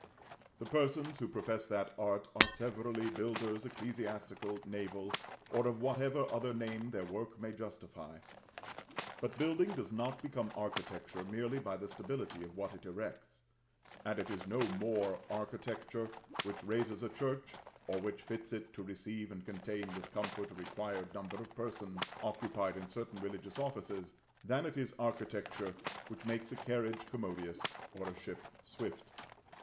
The persons who profess that art, are severally builders, ecclesiastical, naval, or of whatever other name their work may justify; but building does not become architecture merely by the stability of what it erects; and it is no more architecture which raises a church, or which fits it to receive and contain with comfort a required number of persons occupied in certain religious offices, than it is architecture which makes a carriage commodious or a ship swift.